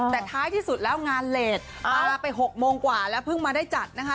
แต่ท้ายที่สุดแล้วงานเลสปลาไป๖โมงกว่าแล้วเพิ่งมาได้จัดนะคะ